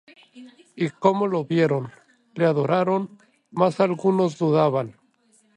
Y como le vieron, le adoraron: mas algunos dudaban.